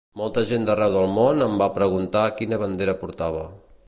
Molta gent d’arreu del món em va preguntar quina bandera portava.